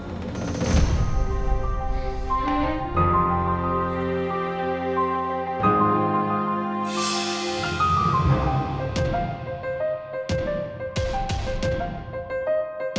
ternyata andi juga